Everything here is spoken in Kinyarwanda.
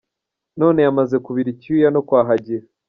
None yamaze kubira icyuya no kwahagira!